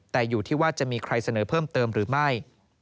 แต่อยู่ที่ว่าจะมีใครเสนอเพิ่มเติมหรือไม่